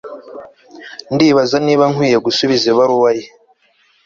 Ndibaza niba nkwiye gusubiza ibaruwa ye